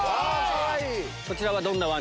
こちらは。